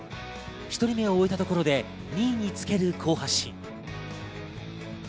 １人目を終えたところで２位につける好発進。